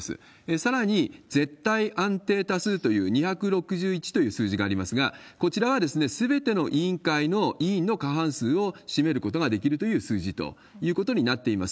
さらに、絶対安定多数という２６１という数字がありますが、こちらはすべての委員会の委員の過半数を占めることができるという数字ということになっています。